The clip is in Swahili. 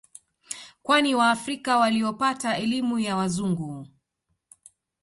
Kwani waafrika waliopata elimu ya Wazungu